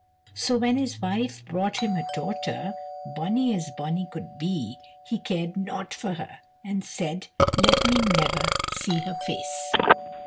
So when his wife brought him a daughter, bonny as bonny could be, he cared nought for her, and said, "Let me never see her face."